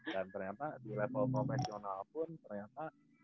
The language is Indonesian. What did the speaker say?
dan ternyata di level komedional pun ternyata